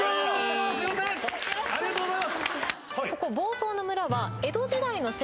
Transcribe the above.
ありがとうございます。